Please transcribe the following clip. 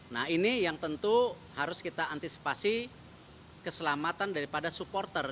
nah ini yang tentu harus kita antisipasi keselamatan daripada supporter